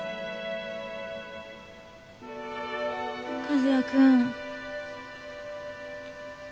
和也君。